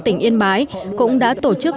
tỉnh yên bái cũng đã tổ chức